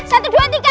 satu dua tiga